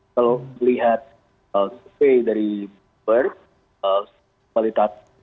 kalau melihat survei dari bert